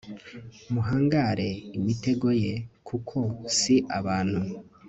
muhangare imitego ye, kuko si abantu